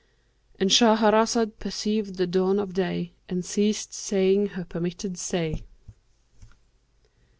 "— And Shahrazad perceived the dawn of day and ceased saying her permitted say.